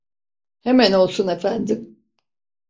Hemen olsun efendim.